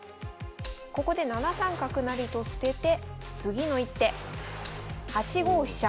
ここで７三角成と捨てて次の一手８五飛車。